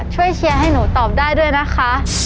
เชียร์ให้หนูตอบได้ด้วยนะคะ